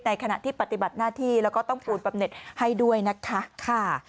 ขณะที่ปฏิบัติหน้าที่แล้วก็ต้องปูนบำเน็ตให้ด้วยนะคะ